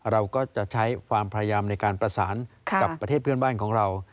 เราก็จะใช้ความพยายามในการประสานกับประเทศเพื่อนบ้านของเรา